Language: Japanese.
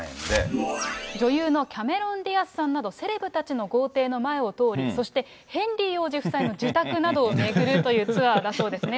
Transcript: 女優のキャメロン・ディアスさんなど、セレブたちの豪邸の前を通る、そしてヘンリー王子夫妻の自宅などを巡るというツアーだそうですね。